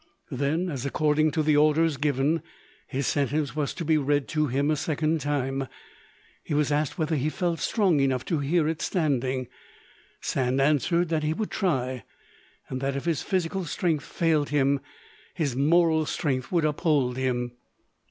Then, as, according to the orders given, his sentence was to be read to him a second time, he was asked whether he felt strong enough to hear it standing. Sand answered that he would try, and that if his physical strength failed him, his moral strength would uphold him.